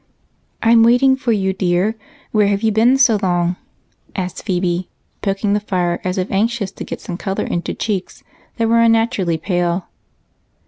"I'm waiting for you, dear. Where have you been so long?" asked Phebe, poking the fire as if anxious to get some color into cheeks that were unnaturally pale.